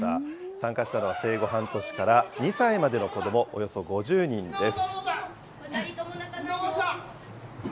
参加したのは生後半年から２歳までの子ども、およそ５０人です。